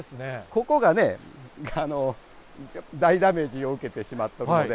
ここがね、大ダメージを受けてしまったので。